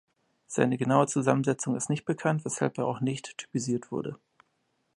Seine genaue Zusammensetzung ist nicht bekannt, weshalb er auch nicht typisiert wurde.